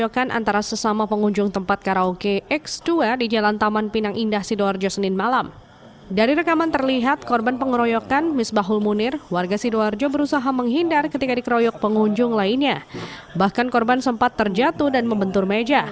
keduanya diamankan karena telah menghajar sesama pengunjung hingga babak bulur